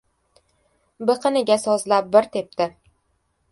Biqiniga sozlab bir tepdi.